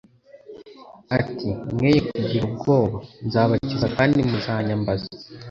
ati : «Mwoye kugira ubwoba, nzabakiza kandi muzanyambaza.